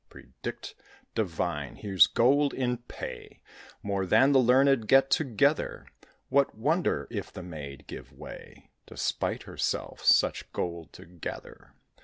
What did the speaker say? "Predict divine; here's gold in pay, More than the learned get together." What wonder if the maid gave way, Despite herself, such gold to gather?